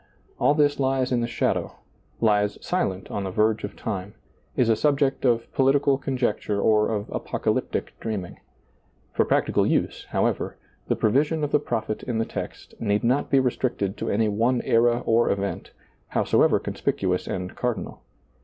All this lies in the shadow, lies silent on the verge of time, is a subject of politi cal conjecture or of apocalyptic dreaming. For practical use, however, the prevision of the ^lailizccbvGoOgle 83 SEEING DARKLY prophet in the text need not be restricted to any one era or event, howsoever conspicuous and cardinal.